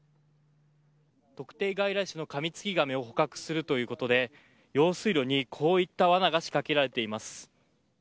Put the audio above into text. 特定外来種のカミツキガメを捕獲するということで用水路にこういったわなが仕掛けられています。